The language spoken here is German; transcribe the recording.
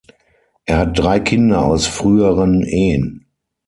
Er hat drei Kinder aus früheren Ehen.